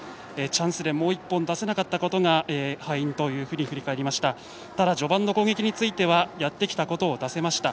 チャンスでもう１本出せなかったことが敗因と振り返りました。